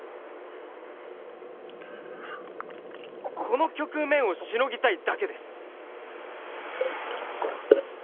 この局面をしのぎたいだけです！